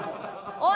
「おい！！」